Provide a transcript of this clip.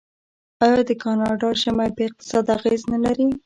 آیا د کاناډا ژمی په اقتصاد اغیز نلري؟